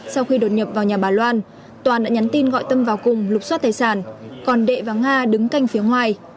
sau khi đột nhập vào nhà bà loan toàn đã nhắn tin gọi tâm vào cùng lục xoát tài sản còn đệ và nga đứng canh phía ngoài